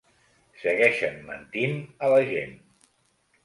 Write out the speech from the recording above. Segueixen mentint a la gent.